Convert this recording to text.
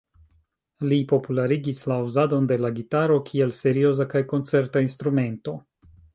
Li popularigis la uzadon de la gitaro kiel serioza kaj koncerta instrumento.